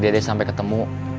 kamu harus tanggung jawab